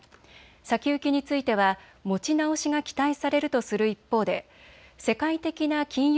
先行きについては持ち直しが期待されるとする一方で世界的な金融